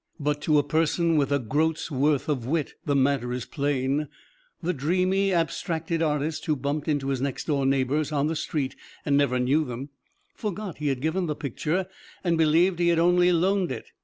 But to a person with a groat's worth of wit the matter is plain: the dreamy, abstracted artist, who bumped into his next door neighbors on the street and never knew them, forgot he had given the picture and believed he had only loaned it.